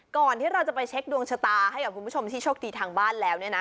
ก่อนที่เราจะไปเช็คดวงชะตาให้กับคุณผู้ชมที่โชคดีทางบ้านแล้วเนี่ยนะ